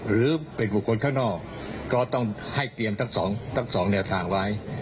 หรือเป็นบุคคลข้างนอกก็ต้องให้เตรียมทั้งสองแนวทางไว้